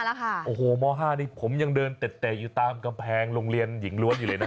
โอ้โหม๕นี่ผมยังเดินเตะอยู่ตามกำแพงโรงเรียนหญิงล้วนอยู่เลยนะ